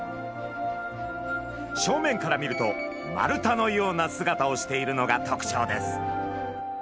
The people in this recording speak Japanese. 正面から見ると丸太のような姿をしているのがとくちょうです。